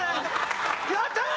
やったー！